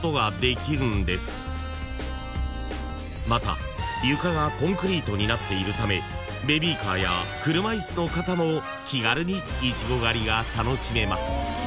［また床がコンクリートになっているためベビーカーや車いすの方も気軽にいちご狩りが楽しめます］